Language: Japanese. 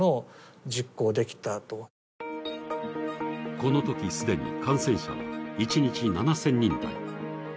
このとき既に感染者は一日に７０００人台。